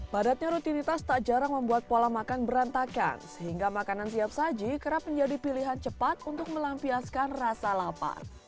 padatnya rutinitas tak jarang membuat pola makan berantakan sehingga makanan siap saji kerap menjadi pilihan cepat untuk melampiaskan rasa lapar